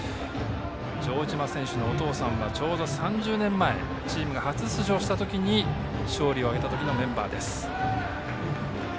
城島選手のお父様はちょうど３０年前にチームが初出場したときに勝利を挙げたときのメンバーです。